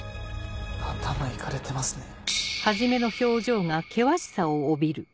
頭イカれてますね。